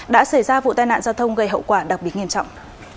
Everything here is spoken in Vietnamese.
đã xảy ra vụ tai nạn giao thông gây hậu quả đặc biệt nghiêm trọng